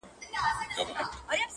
چي سیالي وي د قلم خو نه د تورو